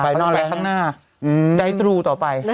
มันไปข้างหน้าได้ตรูต่อไป